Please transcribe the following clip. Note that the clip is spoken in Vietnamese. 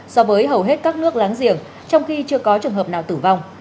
so với hầu hết các nước láng giềng trong khi chưa có trường hợp nào tử vong